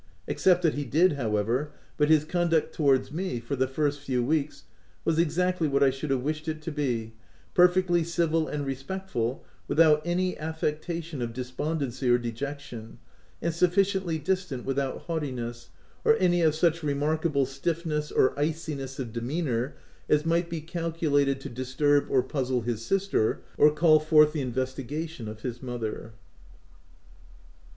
Accept it he did, how ever, but his conduct towards me, for the first few weeks, was exactly what I should have wished it to be — perfectly civil and respectful without any affectation of despondency or de jection, and sufficiently distant without haughti ness, or any of such remarkable stiffness or iciness of demeanour as might be calculated to disturb or puzzle his sister, or call forth the investigation of his mother.